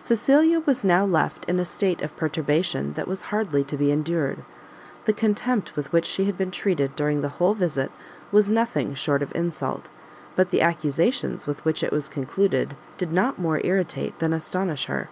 Cecilia was now left in a state of perturbation that was hardly to be endured. The contempt with which she had been treated during the whole visit was nothing short of insult, but the accusations with which it was concluded did not more irritate than astonish her.